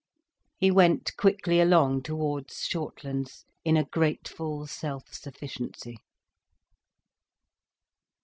He went quickly along towards Shortlands, in a grateful self sufficiency.